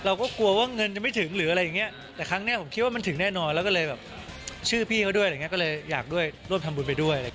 เราก็กลัวว่าเงินจะไม่ถึงหรืออะไรอย่างนี้แต่ครั้งนี้ผมคิดว่ามันถึงแน่นอนแล้วก็เลยแบบชื่อพี่เขาด้วยอะไรอย่างนี้ก็เลยอยากด้วยร่วมทำบุญไปด้วย